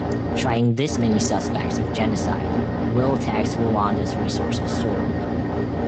Trying this many suspects of genocide will tax Rwanda's resources sorely.